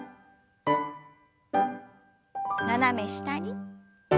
斜め下に。